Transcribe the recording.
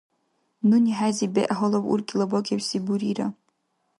Нуни хӀези бегӀ гьалаб уркӀила бакӀибси бурира.